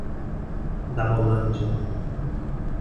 Damolândia